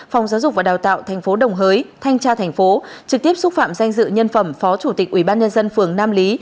phòng giáo dục và đào tạo tp đồng hới thanh tra thành phố trực tiếp xúc xúc phạm danh dự nhân phẩm phó chủ tịch ubnd phường nam lý